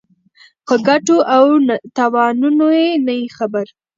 په ګټو او تاوانونو یې نه وي خبر.